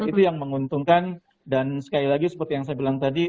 itu yang menguntungkan dan sekali lagi seperti yang saya bilang tadi